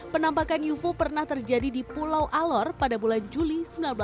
penampakan ufo pernah terjadi di pulau alor pada bulan juli seribu sembilan ratus sembilan puluh